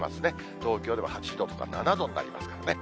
東京では８度とか７度になりますからね。